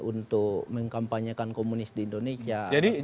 untuk mengkampanyekan komunis di indonesia